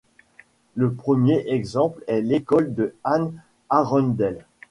Le premier exemple est l'école de Anne Arundel.